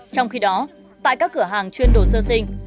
trong khi đó tại các cửa hàng chuyên đồ sơ sinh